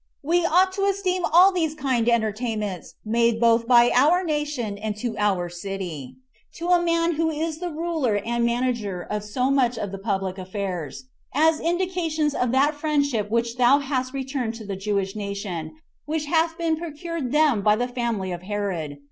We ought to esteem all these kind entertainments made both by our nation and to our city, to a man who is the ruler and manager of so much of the public affairs, as indications of that friendship which thou hast returned to the Jewish nation, and which hath been procured them by the family of Herod.